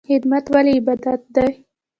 خدمت ولې عبادت دی؟